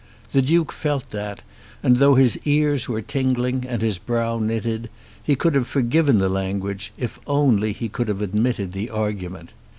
The Duke felt that, and though his ears were tingling and his brow knitted, he could have forgiven the language, if only he could have admitted the argument.